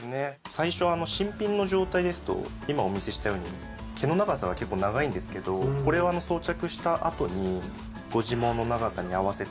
最初新品の状態ですと今お見せしたように毛の長さが結構長いんですけどこれを装着したあとにご自毛の長さに合わせて。